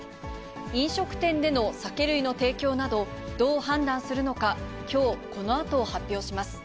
飲食店での酒類の提供など、どう判断するのか、きょう、このあと発表します。